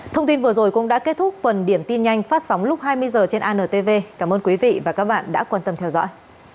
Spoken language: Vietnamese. thông tin vừa rồi cũng đã kết thúc phần điểm tin nhanh phát sóng lúc hai mươi h trên antv cảm ơn quý vị và các bạn đã quan tâm theo dõi